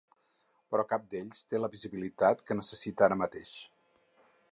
Però cap d’ells té la visibilitat que necessita ara mateix.